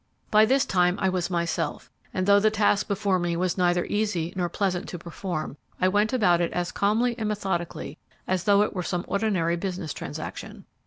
By this time I was myself, and, though the task before me was neither easy nor pleasant to perform, I went about it as calmly and methodically as though it were some ordinary business transaction.